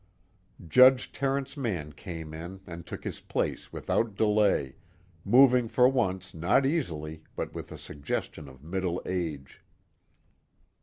Judge Terence Mann came in and took his place without delay, moving for once not easily but with a suggestion of middle age.